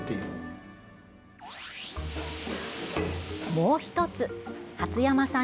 もう１つ、初山さん